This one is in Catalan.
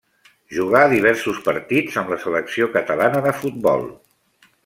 Jugà diversos partits amb la selecció catalana de futbol.